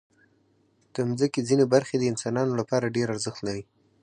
د مځکې ځینې برخې د انسانانو لپاره ډېر ارزښت لري.